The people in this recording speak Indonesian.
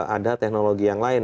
ada teknologi yang lain